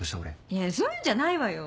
いやそういうんじゃないわよ。